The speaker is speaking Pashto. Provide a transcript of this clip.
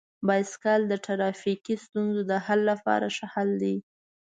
بایسکل د ټرافیکي ستونزو د حل لپاره ښه حل دی.